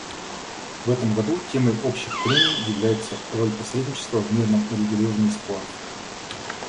В этом году темой общих прений является «Роль посредничества в мирном урегулировании споров».